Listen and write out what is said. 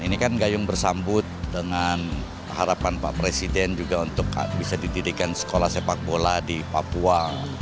ini kan gayung bersambut dengan harapan pak presiden juga untuk bisa didirikan sekolah sepak bola di papua